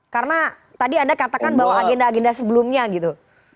karena tadi anda katakan bahwa agenda agenda sebelumnya gitu